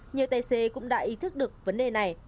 nhiều tài xế cũng đã ý thức được vấn đề này